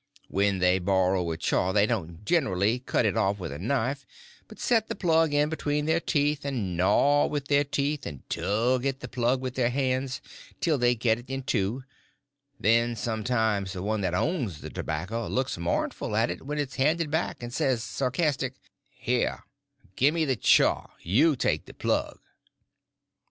When they borrow a chaw they don't generly cut it off with a knife, but set the plug in between their teeth, and gnaw with their teeth and tug at the plug with their hands till they get it in two; then sometimes the one that owns the tobacco looks mournful at it when it's handed back, and says, sarcastic: "Here, gimme the chaw, and you take the plug."